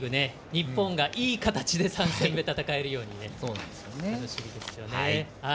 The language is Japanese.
日本がいい形で３戦目戦えるようにしてほしいですね。